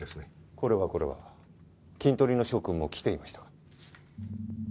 これはこれはキントリの諸君も来ていましたか。